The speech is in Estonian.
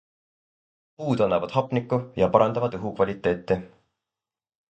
Puud annavad hapnikku ja parandavad õhukvaliteeti.